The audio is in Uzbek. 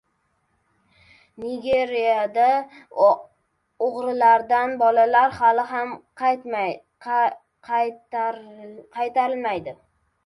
Nigeriyada o‘g‘irlangan bolalar hali ham qaytarilmadi